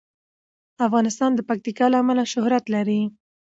افغانستان د پکتیکا له امله شهرت لري.